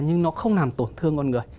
nhưng nó không làm tổn thương con người